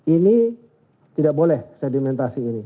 ini tidak boleh sedimentasi ini